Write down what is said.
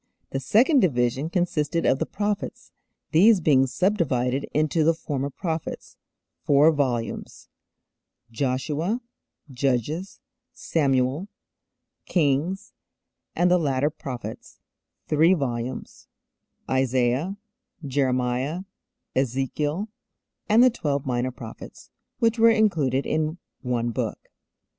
The second division consisted of the 'Prophets,' these being subdivided into the 'Former Prophets' (four volumes) Joshua, Judges, Samuel, Kings and the 'Latter Prophets' (three volumes) Isaiah, Jeremiah, Ezekiel and the Twelve Minor Prophets (which were included in one book).